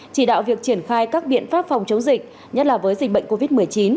chỉ đạo việc triển khai các biện pháp phòng chống dịch nhất là với dịch bệnh covid một mươi chín